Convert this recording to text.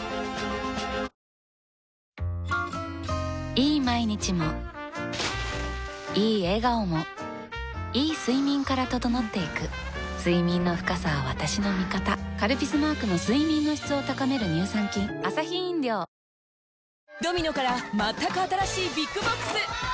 いい毎日もいい笑顔もいい睡眠から整っていく睡眠の深さは私の味方「カルピス」マークの睡眠の質を高める乳酸菌まだ始めてないの？